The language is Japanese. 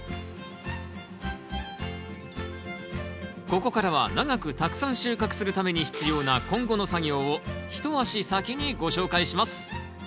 ここからは長くたくさん収穫するために必要な今後の作業を一足先にご紹介します